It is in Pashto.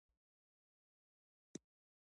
د افغانستان اساسي قانون به وپېژنو.